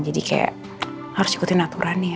jadi kayak harus ikutin aturan ya